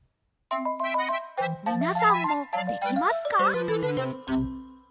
みなさんもできますか？